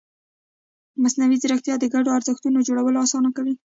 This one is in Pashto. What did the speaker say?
مصنوعي ځیرکتیا د ګډو ارزښتونو جوړونه اسانه کوي.